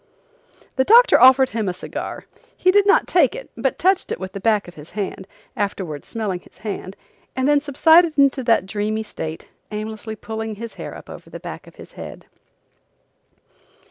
The doctor offered him a cigar. He did not take it, but touched it with the back of his hand, afterwards smelling his hand, and then subsided into that dreamy state, aimlessly pulling his hair up over the back of his head.